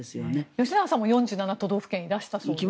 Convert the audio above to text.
吉永さんも４７都道府県いらしたそうですね。